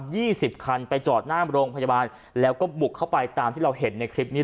สิบคันไปจอดหน้าโรงพยาบาลแล้วก็บุกเข้าไปตามที่เราเห็นในคลิปนี้